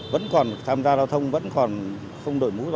vẫn còn tham gia giao thông vẫn còn không đội mũ